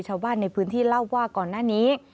ชาวบ้านในพื้นที่เล่าว่าก่อนหน้านี้